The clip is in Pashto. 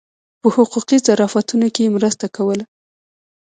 په حقوقي ظرافتونو کې یې مرسته کوله.